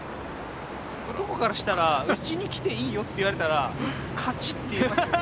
男からしたらうちに来ていいよって言われたら勝ちって言います。